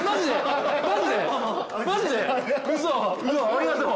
ありがとう。